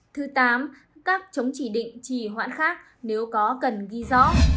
thứ tám các chống chỉ định chỉ hoãn khác nếu có cần ghi rõ